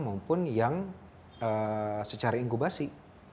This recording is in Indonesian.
maupun yang secara inkubasi